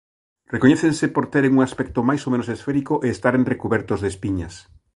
Recoñécense por teren un aspecto máis ou menos esférico e estaren recubertos de espiñas.